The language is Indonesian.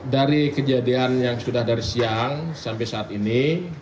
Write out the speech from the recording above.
dari kejadian yang sudah dari siang sampai saat ini